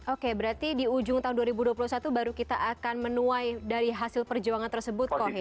oke berarti di ujung tahun dua ribu dua puluh satu baru kita akan menuai dari hasil perjuangan tersebut kohe